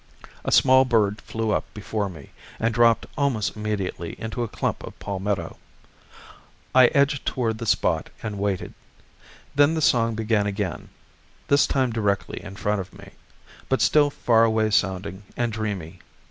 A small bird flew up before me, and dropped almost immediately into a clump of palmetto. I edged toward the spot and waited. Then the song began again, this time directly in front of me, but still far away sounding and dreamy.